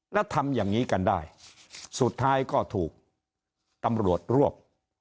แล้วทำอย่างนี้กันได้สุดท้ายก็ถูกตำรวจรวบ